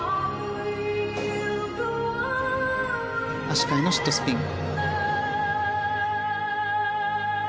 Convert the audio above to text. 足換えのシットスピン。